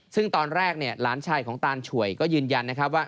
ซึ่งตอนแรกเนี่ยหลานชายของตานฉวยก็ยืนยันนะครับว่า